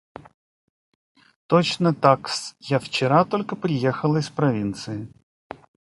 – Точно так-с: я вчера только приехала из провинции.